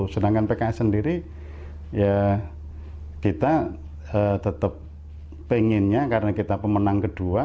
sedangkan pks sendiri ya kita tetap pengennya karena kita pemenang kedua